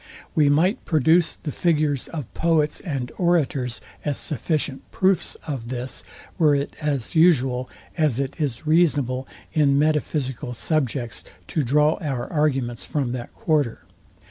We might produce the figures of poets and orators, as sufficient proofs of this, were it as usual, as it is reasonable, in metaphysical subjects to draw our arguments from that quarter.